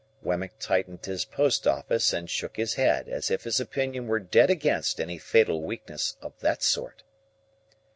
Wemmick tightened his post office and shook his head, as if his opinion were dead against any fatal weakness of that sort.